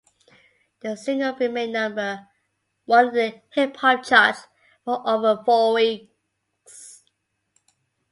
The single remained number one in the hip-hop charts for over four weeks.